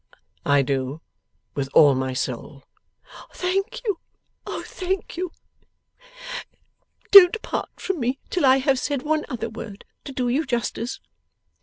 'I do with all my soul.' 'Thank you. O thank you! Don't part from me till I have said one other word, to do you justice.